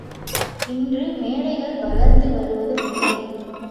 இன்று மேடைகள் வளர்ந்து வருவது உண்மை.